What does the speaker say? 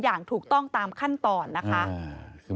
อย่างถูกต้องตามขั้นตอนนะคะ